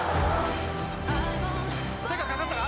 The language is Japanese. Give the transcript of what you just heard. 手がかかったか？